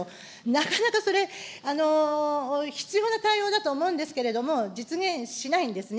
なかなかそれ、必要な対応だと思うんですけれども、実現しないんですね。